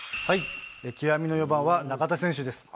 極みの４番は中田選手です。